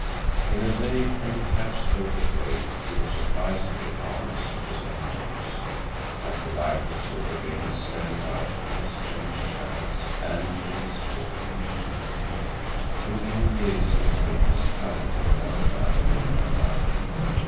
In a vague and detached sort of way he was surprised at the calmness of his own voice. Captain Rifle saw the veins standing out on his clenched hands and in his forehead. Through many years he had witnessed tragedy of one kind and another.